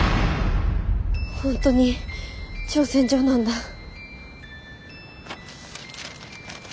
本当に挑戦状なんだ。